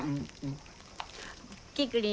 キクリン